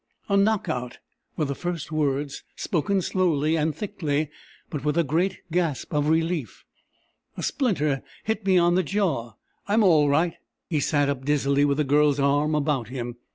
"A knockout," were the first words, spoken slowly and thickly, but with a great gasp of relief. "A splinter hit me on the jaw.... I'm all right...." He sat up dizzily, with the Girl's arm about him.